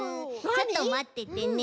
ちょっとまっててね！